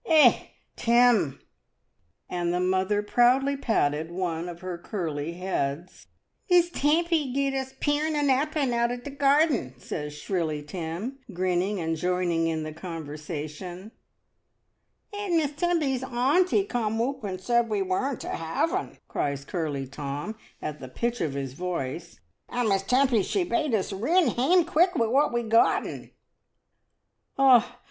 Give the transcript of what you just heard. Eh! Tim!" And the mother proudly patted one of her curly heads. "Miss Tempy gied us pearrn and applen out o' t* garrden," says shrilly Tim, grinning and joining in the conversation. "And Miss Tempy's auntie cam oop and said we werrn't to have'n," cries curly Tom, at the pitch of his voice; "and Miss Tempy she bade us rin heam quick wi' what we gotten." "Ah!